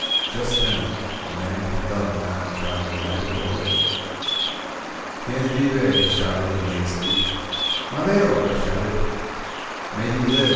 Just then a man with a gun lounged out of the lighted doorway. "Quien vive?" he shouted, lazily. "Madero!" I shouted. ^^ay he live